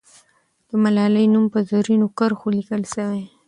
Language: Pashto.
د ملالۍ نوم په زرینو کرښو لیکل سوی.